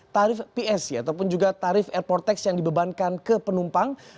tarif psi ataupun juga tarif airport tax yang dibebankan ke penumpang